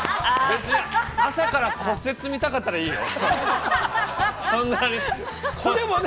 ◆別に、朝から骨折見たかったらいいよ。